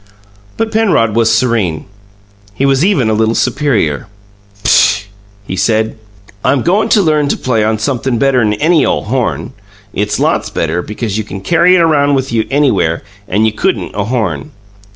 But Penrod was serene. He was even a little superior. "Pshaw!" he said. "I'm goin' to learn to play on sumpthing better'n any ole horn. It's lots better, because you can carry it around with you anywhere, and you couldn't a horn."